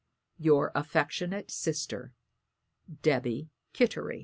"Your affectionate sister, "DEBBY KITTERY."